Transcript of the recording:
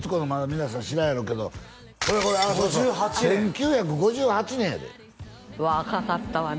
皆さん知らんやろうけどこれこれああそうそう１９５８年やで若かったわね